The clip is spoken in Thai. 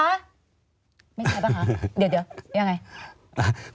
ไม่ใช่ป่ะคะเดี๋ยวยังไง